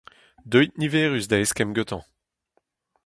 Deuit niverus da eskemm gantañ !